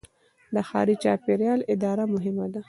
د ښاري چاپیریال اداره مهمه ده.